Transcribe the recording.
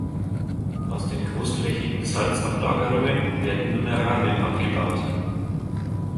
Aus den großflächigen Salzablagerungen werden Mineralien abgebaut.